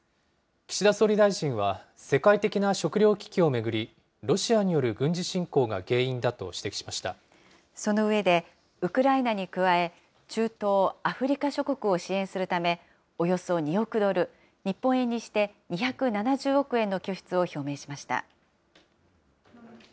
岸田総理大臣は、世界的な食料危機を巡り、ロシアによる軍事侵攻その上で、ウクライナに加え、中東・アフリカ諸国を支援するため、およそ２億ドル、日本円にして２７０億円の拠出を表明しました。